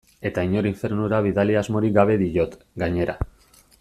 Eta inor infernura bidali asmorik gabe diot, gainera.